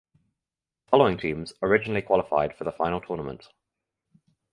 The following teams originally qualified for the final tournament.